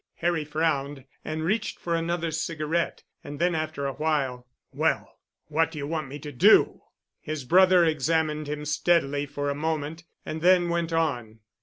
Harry frowned and reached for another cigarette. And then after awhile, "Well—what do you want me to do?" His brother examined him steadily for a moment, and then went on.